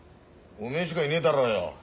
おめえしかいねえだろうよ。